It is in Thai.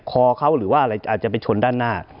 คอเขาหรือว่าอะไรอาจจะไปชนด้านหน้า